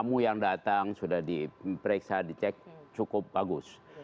tamu yang datang sudah diperiksa dicek cukup bagus